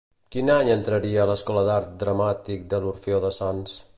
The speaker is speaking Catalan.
Quin any entraria a l'Escola d'Art Dramàtic de l'Orfeó de Sants?